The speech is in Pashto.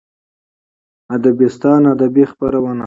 ادبستان ادبي خپرونه